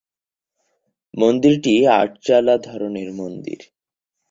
মন্দিরটি ‘আট-চালা’ ধরনের মন্দির।